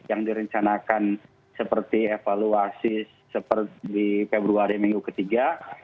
yang direncanakan seperti evaluasi seperti di februari minggu ketiga